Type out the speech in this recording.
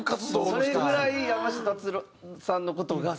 それぐらい山下達郎さんの事がすごいと？